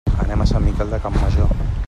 Anem a Sant Miquel de Campmajor.